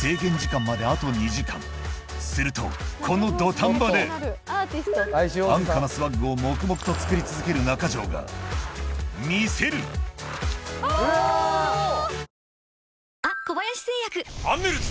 するとこの土壇場で安価なスワッグを黙々と作り続けるＮａｋａｊｏｈがおぉ！